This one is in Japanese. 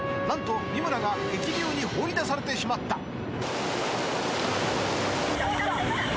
［何と三村が激流に放り出されてしまった］